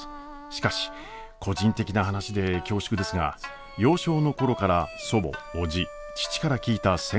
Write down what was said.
しかし個人的な話で恐縮ですが幼少の頃から祖母叔父父から聞いた戦後沖縄の実体験。